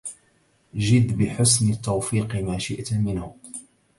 جد بحسن التوفيق ما شئت منه